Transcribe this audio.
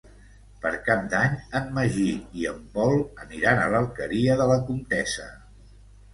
Per Cap d'Any en Magí i en Pol aniran a l'Alqueria de la Comtessa.